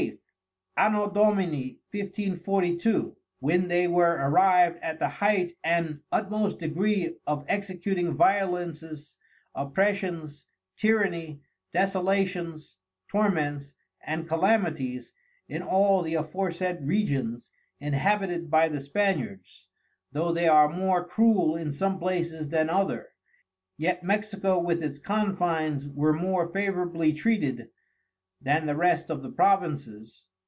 An. Dom. 1542, when they were arrived at the Height, and utmost Degree of executing Violences, Oppressions, Tyrrany, Desolations, Torments, and Calamities in all the aforesaid Regions, Inhabited by the Spaniards (though they are more Cruel in some places than other) yet Mexico with its Confines were more favourably treated than the rest of the Provinces.